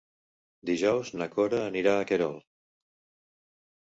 Dijous na Cora anirà a Querol.